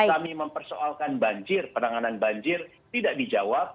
kami mempersoalkan banjir penanganan banjir tidak dijawab